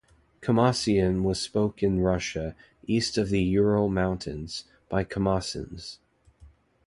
Kamassian was spoken in Russia, east of the Ural mountains, by Kamasins.